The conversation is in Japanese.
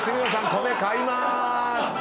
米買いまーす！